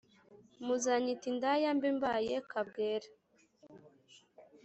muzanyita indaya mbe mbaye kabwera